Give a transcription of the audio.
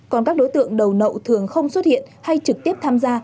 còn các đối tượng đầu nậu thường không xuất hiện hay trực tiếp tham gia